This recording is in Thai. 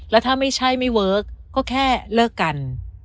แล้วถ้าไม่ใช่ไม่เวิร์คก็แค่เลิกกัน